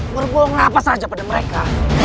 berbohong apa saja pada mereka